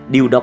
điều đọc này